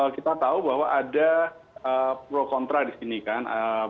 kita tahu bahwa ada pro kontra di sini kan